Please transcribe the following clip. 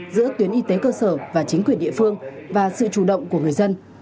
giữa tuyến y tế cơ sở và chính quyền địa phương và sự chủ động của người dân